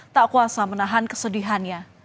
tak kuasa menahan kesedihannya